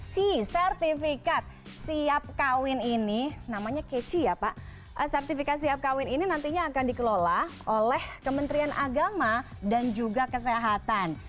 si sertifikat siap kawin ini namanya keci ya pak sertifikasi siap kawin ini nantinya akan dikelola oleh kementerian agama dan juga kesehatan